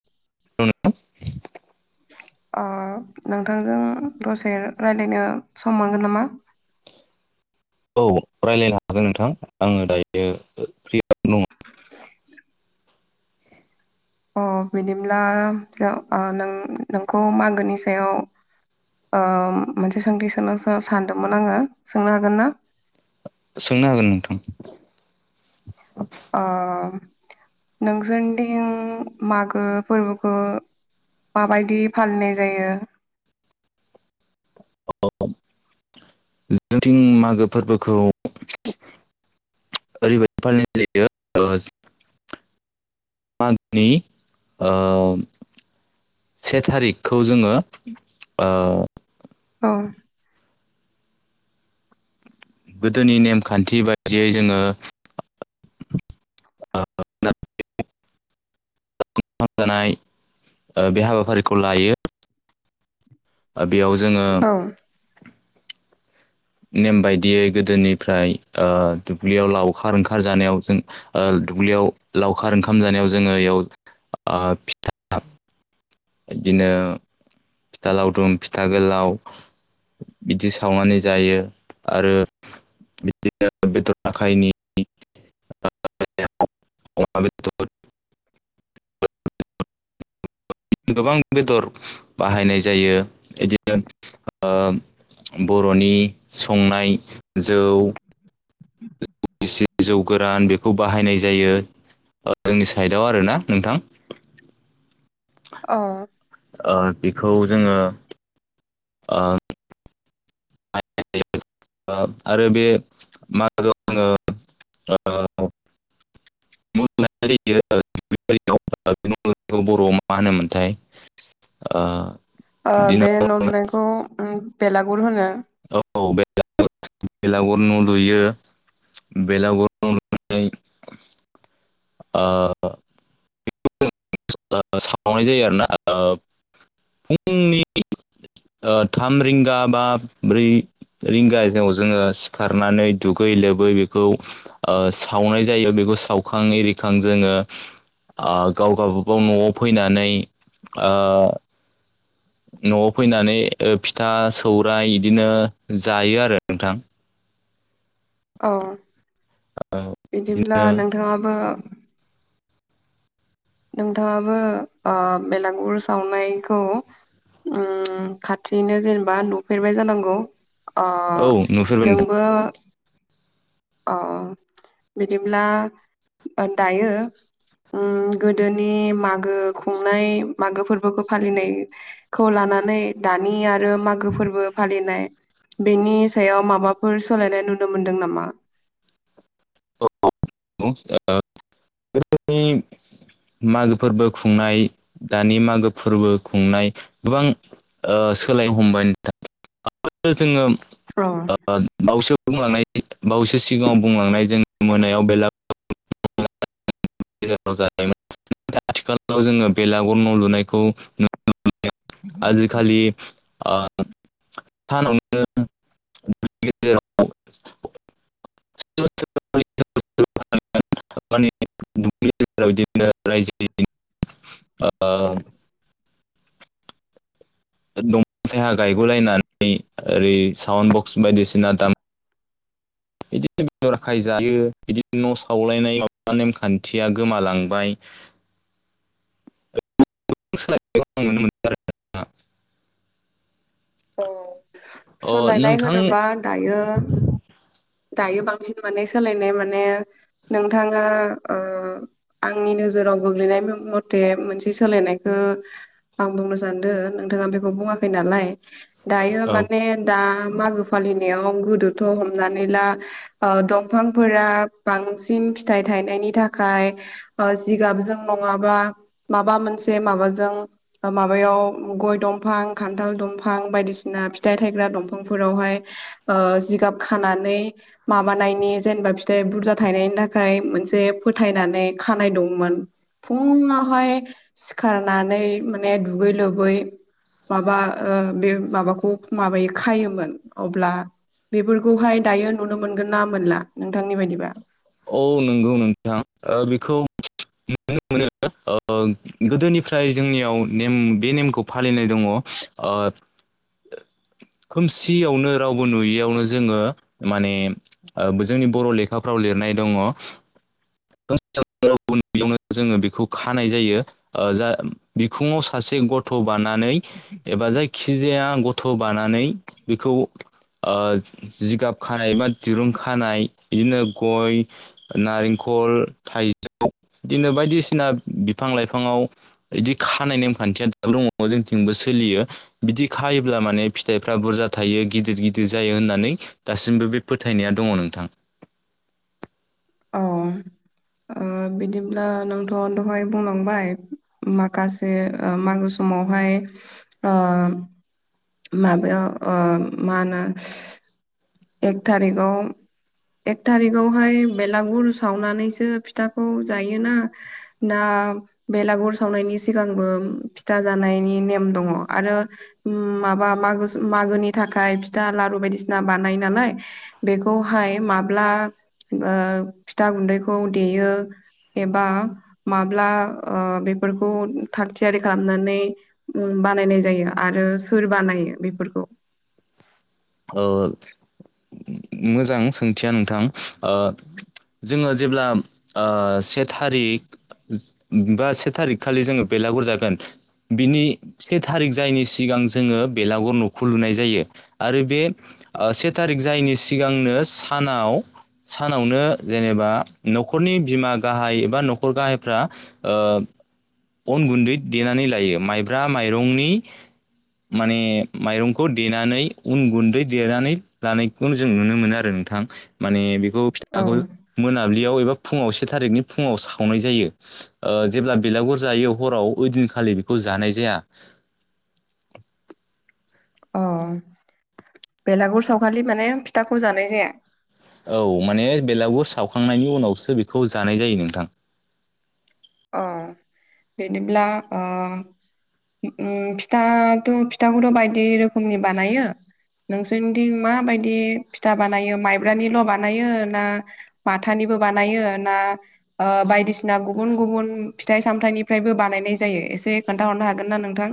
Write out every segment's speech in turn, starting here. [unintelligible] अ नोंथांजों दसे रायलायनो सम मोनगोन नामा? औ रायलायनो हागोन नोंथां आङो दायो फ्रियानो दङ। अ बिदिब्ला जों ओ नों नोंखौ मागोनि सायाव ओ मोनसे सोंथि सोंनो सानदोंमोन आङो सोंनो हागोन ना? सोंनो हागोन नोंथां। अ नोंसोरनिथिं मागो फोरबोखौ माबायदि फालिनाय जायो? [unintelligible] जोंथिं मागो फोरबोखौ [unintelligible] ओरैबायदि फालिनाय जायो ओ मागोनि ओ से थारिखखौ जोङो ओ अ गोदोनि नेमखान्थि बायदियै जोङो [unintelligible] जानाय [unintelligible] ओ बे हाबाफारिखौ लायो। ओ बेयाव जोङो औ नेम बायदियै गोदोनिफ्राय ओ दुब्लियाव लावखार ओंखार जानायाव जों ओ दुब्लियाव लावखार ओंखाम जानायाव जोङो बेयाव ओ फिथाइ [unintelligible] इदिनो फिथा लावदुम फिथा गोलाव बिदि सावनानै जायो आरो बिदिनो बेथर आखाइनि [unintelligible] अमा [inaudible] बेदर गोबां बेदर बाहायनाय जायो इदिनो ओ बर'नि संनाय जौ गिसि जौ गोरान बेखौ बाहायनाय जायो ओ जोंनि साइदाव आरोना नोंथां। अ ओ बेखौ जोङो ओ ओ आरो बे मागोआव जोङो ओ [unintelligible] [unintelligible] बर'आव मा होनोमोनथाय ओ बिदिनो बे न' लुनायखौ बेलागुर होनो औ बेलागुर बेलागुर न' लुयो बेलागुर न' लुनानै ओ सावनाय जायो आरोना फुंनि थाम रिंगा बा ब्रै रिंगायाव जोङो सिखारनानै दुगै लोबै बेखौ सावनाय जायो बेखौ सावखां एरिखां जोङो गाव गबागाव न'आव फैनानै न'आव फैनानै फिथा सौराइ बिदिनो जायो आरो नोंथां औ बिदिब्ला बिदिनो नोंथाङाबो नोंथाङाबो बेलागुर सावनायखौ खाथियैनो जेनेबा नुफेरबाय जानांगौ औ नुफेरबाय नोंबो अ बिदिब्ला दायो गोदोनि मागो खुंनाय मागो फोरबोखौ फालिनाय खौ लानानै दानि आरो मागो फोरबो फालिनाय बेनि सायाव माबाफोर सोलायनाय नुनो मोनदों नामा [unintelligible] औ गोदोनि मागो फोरबो खुंनाय दानि मागो फोरबो खुंनाय गोबां सोलायनो हमबाय नोंथां जोङो अ बावसो बुंलांनाय बावैसो सिगाङाव बुंलांनाय जों मोनायाव बेलागुर ेजाव ज आथिखालाव जोङो बेलागर न' लुनायखौ न आजिखालि सानावनो माने दुबलि गेजेराव बिदिनो रायजो दंफां सायहा गायगु'लायनानै ओरै साउड बक्स बायदिसिना दाम [inaudible] बिदिनो बेदरखाय जायो बिदिनो न' सावलायनाय माबा नेमखान्थिया गोमालांबाय गोदान सोलायनायखौ आं नुनो मोनदों आरो जोंहा औ अ सोलायनाय नोंथां होनोबा दायो दायो बांसिन माने सोलायनाय माने नोंथाङा आंनि नोजोराव गोग्लैनाय मथे मोनसे सोलायनायखौ आं बुंनो सानदों नोंथाङा बेखौ बुङाखै नालाय दायो औ माने दा मागो फालिनायाव गोदोथ' हमनानै मानला दंफांफोरा बांसिन फिथाइ थायनायनि थाखाय जिगाबजों नङाबा माबा मोनसे माबाजों माबायाव गय दंफां खान्थाल दंफां बायदिसिना फिथाइ थायग्रा दंफांफोरावहाय जिगाब खानानै माबानायनि जेनेबा फिथाइ बुरजा थायनायनि थाखाय मोनसे फोथायनानै खानाय दंमोन फुङावहाय सिखारनानै माने दुगै लोबै माबा बे माबाखौ माबायो खायोमोन अब्ला बे खौहाय दायो नुनो मोनगोन ना मोनला नोंथांनि बायदिबा औ नंगौ नोंथां बेखौ नुनो मोनो गोदोनिफ्राय जोंनियाव नेम बे नेमखौ फालिनाय दङ [inaudible] खोमसियावनो रावबो नुयैयावनो जोङो माने जोंनि बर' लेखाफ्राव लिरनाय दङ बेयावनो जोङो बेखौ खानाय जायो। जा बिखुङाव सासे गथ' बानानै एबा जायखिजाया गथ' बानानै बेखौ जिगाब खानाय बा दिरुं खानाय बिदिनो गय नारेंखल थाइजौ बिदिनो बायदिसिना बिफां लाइफाङाव बिदि खानाय नेमखान्थिया दाब दङ जोंथिंबो सोलियो। बिदि खायोब्ला माने फिथाइफ्रा बुरजा थायो गिदिर गिदिर जायो होननानै दासिमबो बे फोथायनाया दङ नोंथां। औ बिदिब्ला नोंथ' दहाय बुंलांबाय। माखासे मागो समावहाय ओ माबायाव मा होनो एक थारिखाव एक थारिकावहाय बेलागुर सावनानैसो फिथाखौ जायोना। ना बेलागुर सावनायनि सिगांबो फिथा जानायनि नेम दङ आरो माबा म मागोनि थाखाय फिथा लारु बायदिसिना बानाय नालाय बेखौहाय माब्ला फिथा गुन्दैखौ देयो। एबा माब्ला बेफोरखौ थाग थियारि खालामनानै बानायनाय जायो आरो सोर बानायो बेफोरखौ। मोजां सोंथिया नोंथां। ओ जोङो जेब्ला से थारिख बा से थारिख खालि जोङो बेलागुर जागोन। बिनि से थारिख जायैनि सिगां जोङो बेलागुर न'खौ लुनाय जायो आरो बे से थारिख जायैनि सिगांनो सानाव सानावनो जेनेबा न'खरनि बिमा गाहाय एबा न'खर गाहायफ्रा ओ अन गुन्दै देनानै लायो माइब्रा माइरंनि माने माइरंखौ देनानै उन गुन्दै देनानै लानाय बेखौनो जों नुनो मोनो आरो नोंथां माने बेखौ औ खौ मोनाबिलियाव एबा फुङाव से थारिखनि फुङाव सावनाय जायो जेब्ला बेलागुर जायो हराव ओइदिनखालि बेखौ जानाय जाया। अ बेलागुर सावखालि माने फिथाखौ जानाय जाया। औ माने बेलागुर सावखांनायनि उनावसो बेखौ जानाय जायो नोंथां। अ बिदिब्ला फिथाथ' फिथाखौथ' बायदि रोखोमनि बानायो। नोंसोरनिथिं माबायदि फिथा बानायो माइब्रानिल' बानायो ना। माथानिबो बानायो ना बायदिसिना गुबुन गुबुन फिथाइ सामथाइनिफ्रायबो बानायनाय जायो एसे खोन्थाहरनो हागोन ना नोंथां।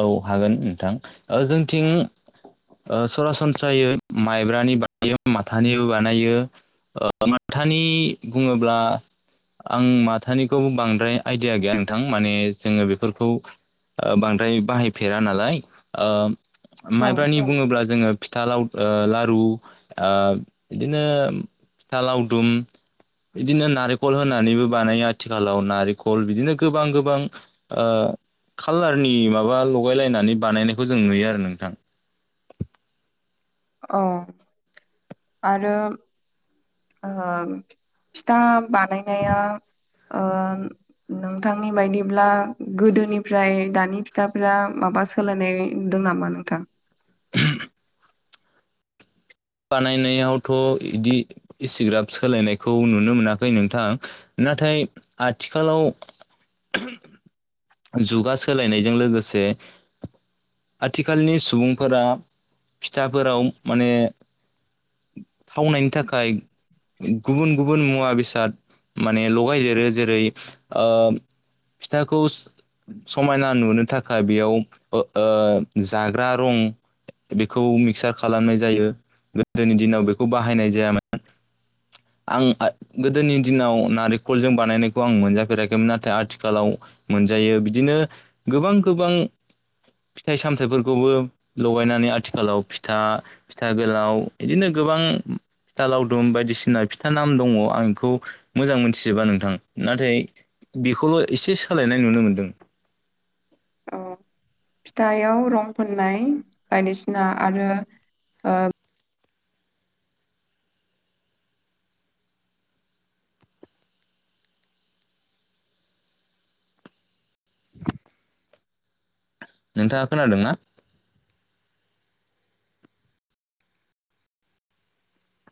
औ हागोन नोंथां ओ जोंथिं सरासनस्रायै माइब्रानि बानायो माथानिबो बानायो। ओ माथानि बुङोब्ला आं माथानिखौ बांद्राय आइडिया गैया नोंथां माने जोङो बेफोरखौ बांद्राय बाहायफेरा नालाय औ माइब्रानि बुङोब्ला जोङो फिथा लाव लारु बिदिनो फिथा लावदुम बिदिनो नारेंखल होनानैबो बानायो आथिखालाव नारेंखल बिदिनो गोबां गोबां ओ कालारनि माबा लगाय लायनानै बानायनायखौ जों नुयो आरो नोंथां। अ। आरो फिथा बानायनाया नोंथांनि बायदिब्ला गोदोनिफ्राय दानि फिथाफोरा माबा सो सोलायनाय नुदों नामा नोंथां [inaudible] बानायनायावथ' इदि इसिग्राब सोलायनायखौ नुनो मोनाखै नोंथां नाथाय आथिखालाव जुगा सोलायनायजों लोगोसे आथिखालनि सुबुंफोरा फिथाफोराव माने थावनायनि थाखाय गुबुन गुबुन मुवा बेसाद माने लगायदेरो जेरै ओ फिथाखौ समायना नुनो थाखाय बेयाव ओ जाग्रा रं बेखौ मिक्सार खालामनाय जायो गोदोनि दिनाव बेखौ बाहायनाय जायामोन आं गोदोनि दिनाव नारेंखलजों बानायनायखौ आं मोनजाफेराखैमोन नाथाय आथिखालाव मोनजायो बिदिनो गोबां गोबां फिथाइ सामथाइफोरखौबो लगायनानै आथिखालाव फिथा फिथा गोलाव इदिनो गोबां फिथा लावदुम बायदिसिना फिथा नाम दङ आं बेखौ मोजां मोनथिजोबा नोंथां नाथाय बेखौल' एसे सोलायनाय नुनो मोन्दों। औ फिथायाव रं फुननाय बायदिसिना आरो [inaudible] नोंथाङा खोनादों ना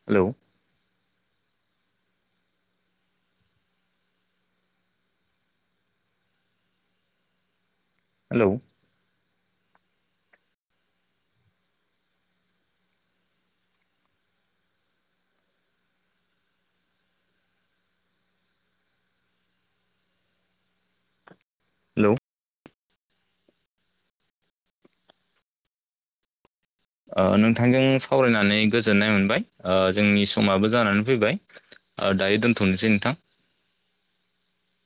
हेलौ हेलौ हेलौ ओ नोंथांजों सावरायनानै गोजोननाय मोनबाय ओ जोंनि समाबो जानानै फैबाय ओ दायो दोनथ'नोसै नोंथां